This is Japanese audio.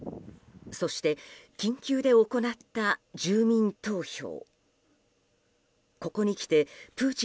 そして、緊急で行った住民投票。